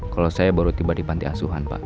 kalau saya baru tiba di panti asuhan pak